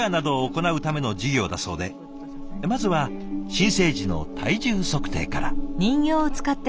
まずは新生児の体重測定から。